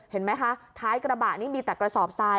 เห็นไหมคะท้ายกระบะนี่มีแต่กระสอบทราย